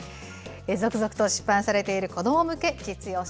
続々と出版されている子ども向け実用書。